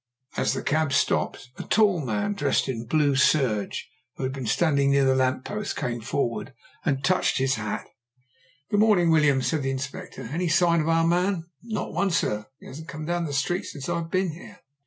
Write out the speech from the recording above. As the cab stopped, a tall man, dressed in blue serge, who had been standing near the lamp post, came forward and touched his hat. "Good morning, Williams," said the Inspector. "Any sign of our man?" "Not one, sir. He hasn't come down the street since I've been here."